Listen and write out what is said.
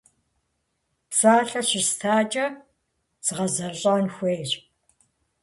- Псалъэ щыстакӀэ, згъэзэщӀэн хуейщ.